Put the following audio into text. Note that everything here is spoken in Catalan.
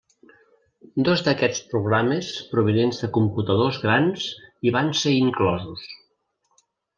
Dos d'aquests programes provinents de computadors grans hi van ser inclosos.